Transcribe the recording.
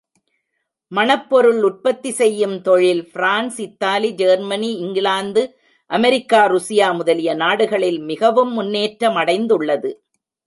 மணப்பொருள் உற்பத்தி செய்யும் தொழில், France, Italy, Germany, England, America, Russia முதலிய நாடுகளில் மிகவும் முன்னேற்றமடைந்துள்ளது.